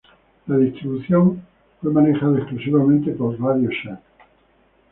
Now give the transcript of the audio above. La distribución fue manejada exclusivamente por RadioShack.